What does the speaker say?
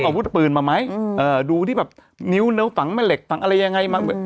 อาวุธปืนมาไหมดูที่แบบนิ้วนิ้วฝังแม่เหล็กฝังอะไรยังไงมั้ง